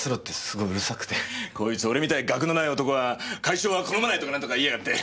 こいつ俺みたいに学のない男は会長は好まないとか何とか言いやがって。